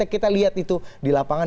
kita lihat itu di lapangan